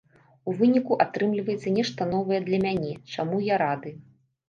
У выніку атрымліваецца нешта новае для мяне, чаму я рады.